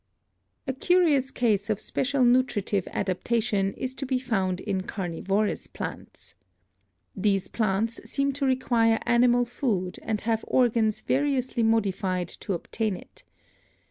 A curious case of special nutritive adaptation is to be found in carnivorous plants. These plants seem to require animal food and have organs variously modified to obtain it.